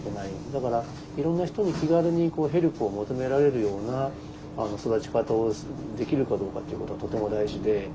だからいろんな人に気軽にヘルプを求められるような育ち方をできるかどうかっていうことはとても大事で。